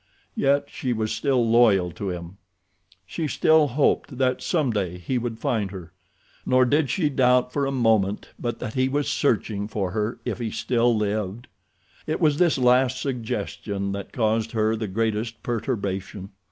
Yet she was still loyal to him. She still hoped that some day he would find her, nor did she doubt for a moment but that he was searching for her if he still lived. It was this last suggestion that caused her the greatest perturbation.